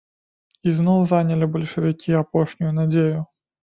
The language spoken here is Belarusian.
Ізноў занялі бальшавікі апошнюю надзею.